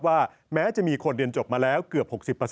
แม้จะมีคนเรียนจบมาแล้วเกือบ๖๐